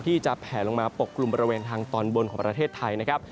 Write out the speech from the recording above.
แผลลงมาปกกลุ่มบริเวณทางตอนบนของประเทศไทยนะครับ